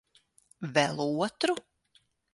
Vēl otru?